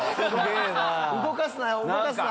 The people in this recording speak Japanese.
動かすなよ。